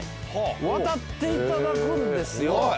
渡っていただくんですよ